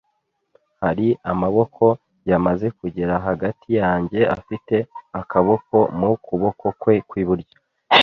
hari Amaboko, yamaze kugera hagati yanjye, afite akaboko mu kuboko kwe kw'iburyo.